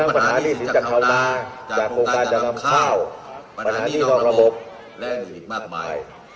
เมื่อประทานดิสิจกภาพมากจากโครงการจำค่าวประถานดินอกระบบและอีกมากมาย